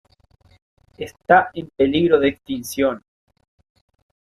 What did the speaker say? Está en peligro de extinción.